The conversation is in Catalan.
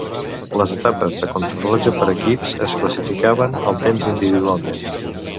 Les etapes de Contrarellotge per equips es classificaven el temps individualment.